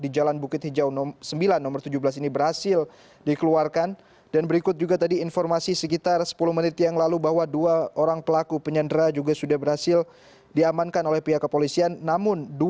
jalan bukit hijau sembilan rt sembilan rw tiga belas pondok indah jakarta selatan